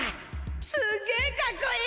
すげえかっこいい！